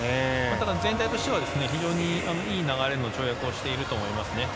全体としては非常にいい流れの跳躍をしていると思います。